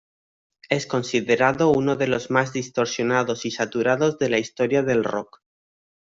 Es considerado uno de los más distorsionados y saturados de la historia del rock.